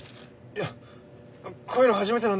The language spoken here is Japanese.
いやこういうの初めてなんで。